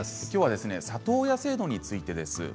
きょうは里親制度についてです。